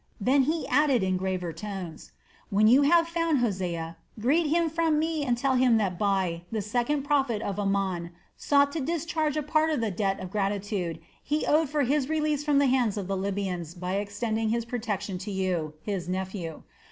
Then he added in graver tones: "When you have found Hosea, greet him from me and tell him that Bai, the second prophet of Amon sought to discharge a part of the debt of gratitude he owed for his release from the hands of the Libyans by extending his protection to you, his nephew.